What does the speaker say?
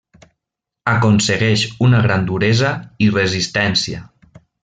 Aconsegueix una gran duresa i resistència.